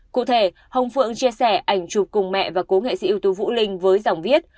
cụ thể ông phượng chia sẻ ảnh chụp cùng mẹ và cố nghệ sĩ ưu tú vũ linh với dòng viết